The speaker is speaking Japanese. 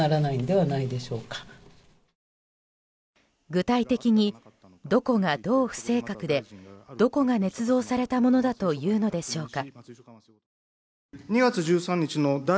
具体的にどこがどう不正確でどこがねつ造されたものだというのでしょうか。